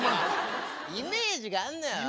イメージがあんのよ。